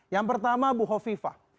yang pertama ibu hovifah